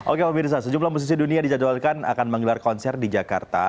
oke pak mirsa sejumlah musisi dunia dijadwalkan akan menggelar konser di jakarta